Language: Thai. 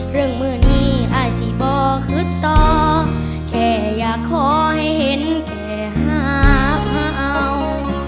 เรื่องเมื่อนี้อายสิบอกต่อแค่อยากขอให้เห็นแค่หาว